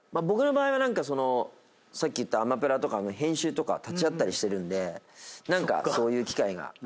僕の場合は何かそのさっき言ったアマプラとかの編集とか立ち会ったりしてるんで何かそういう機会がありますね。